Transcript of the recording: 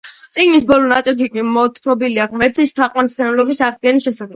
წიგნის ბოლო ნაწილში კი მოთხრობილია ღმერთის თაყვანისმცემლობის აღდგენის შესახებ.